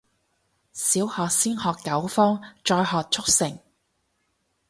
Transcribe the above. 小學先學九方，再學速成